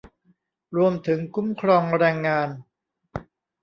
รวมถึงคุ้มครองแรงงาน